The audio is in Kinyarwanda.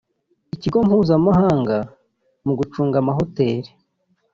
Ikigo mpuzamahanga mu gucunga amahoteli